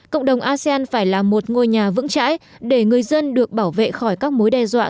cộng đồng asean phải là một ngôi nhà vững chãi để người dân được bảo vệ khỏi các mối đe dọa